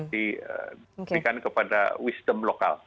diberikan kepada wisdom lokal